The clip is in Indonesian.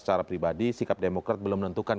secara pribadi sikap demokrat belum menentukan